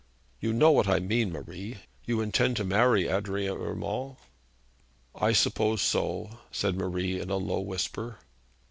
'You know what I mean, Marie. You intend to marry Adrian Urmand?' 'I suppose so,' said Marie in a low whisper.